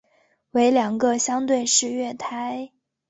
为两个相对式月台。